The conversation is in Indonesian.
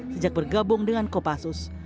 sejak bergabung dengan kopassus